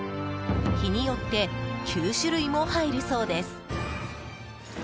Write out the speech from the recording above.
日によって９種類も入るそうです。